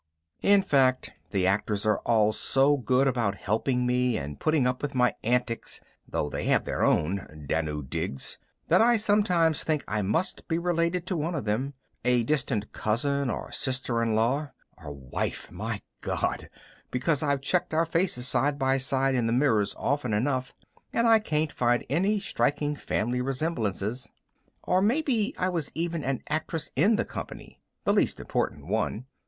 In fact, the actors are all so good about helping me and putting up with my antics (though they have their own, Danu digs!) that I sometimes think I must be related to one of them a distant cousin or sister in law (or wife, my God!), because I've checked our faces side by side in the mirrors often enough and I can't find any striking family resemblances. Or maybe I was even an actress in the company. The least important one.